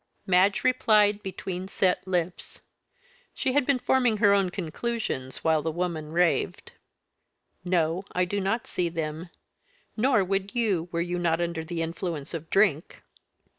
Madge replied between set lips she had been forming her own conclusions while the woman raved: "No, I do not see them. Nor would you were you not under the influence of drink."